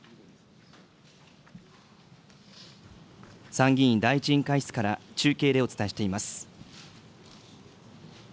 参議院第１委員会室から中継でお伝えしています。